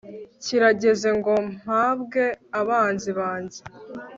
kirageze ngo mpabwe abanzi banjye